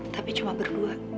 tapi cuma berdua